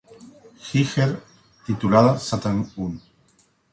Giger titulada "Satan I".